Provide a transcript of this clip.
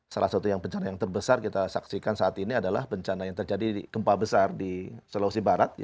salah satu yang bencana yang terbesar kita saksikan saat ini adalah bencana yang terjadi di gempa besar di sulawesi barat